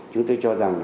chúng tôi cho rằng